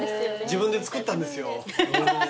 自分で作ったんですよ。